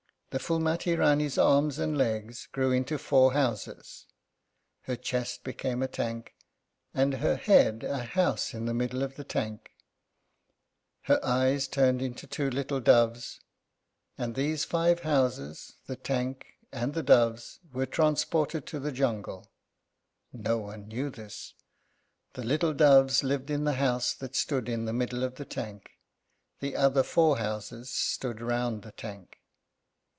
The Phúlmati Rání's arms and legs grew into four houses; her chest became a tank, and her head a house in the middle of the tank; her eyes turned into two little doves; and these five houses, the tank and the doves, were transported to the jungle. No one knew this. The little doves lived in the house that stood in the middle of the tank. The other four houses stood round the tank.